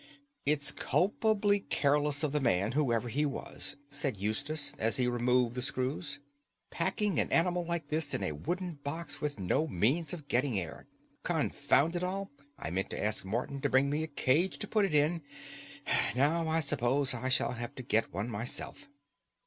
"It's culpably careless of the man, whoever he was," said Eustace, as he removed the screws, "packing an animal like this in a wooden box with no means of getting air. Confound it all! I meant to ask Morton to bring me a cage to put it in. Now I suppose I shall have to get one myself."